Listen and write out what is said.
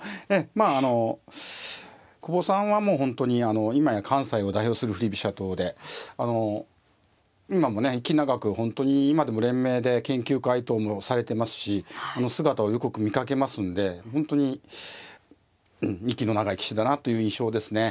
まああの久保さんはもう本当に今や関西を代表する振り飛車党であの今もね息長く本当に今でも連盟で研究会等もされてますし姿をよく見かけますので本当に息の長い棋士だなという印象ですね。